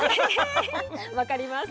⁉分かります。